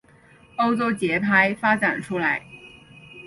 欧洲节拍发展出来。